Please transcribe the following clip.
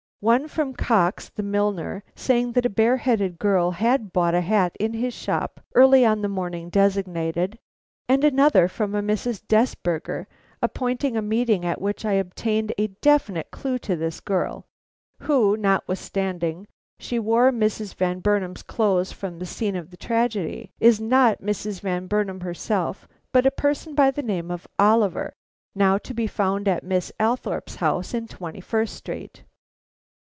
"One from Cox, the milliner, saying that a bareheaded girl had bought a hat in his shop early on the morning designated; and another from a Mrs. Desberger appointing a meeting at which I obtained a definite clue to this girl, who, notwithstanding she wore Mrs. Van Burnam's clothes from the scene of tragedy, is not Mrs. Van Burnam herself, but a person by the name of Oliver, now to be found at Miss Althorpe's house in Twenty first Street."